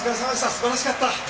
すばらしかった！